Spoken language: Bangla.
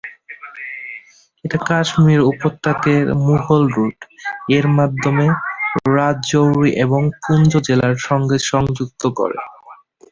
এটি কাশ্মীর উপত্যকাকে 'মুঘল রোড' এর মাধ্যমে রাজৌরি এবং পুঞ্চ জেলার সঙ্গে সংযুক্ত করে।